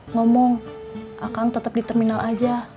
ngomong akan tetap di terminal aja